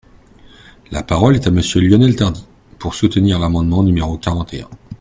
La parole est à Monsieur Lionel Tardy, pour soutenir l’amendement numéro quarante et un.